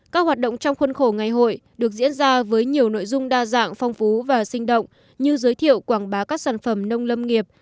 các hoạt động trong khuôn khổ ngày hội được diễn ra với nhiều nội dung đa dạng phong phú và sinh động như giới thiệu quảng bá các sản phẩm nông lâm nghiệp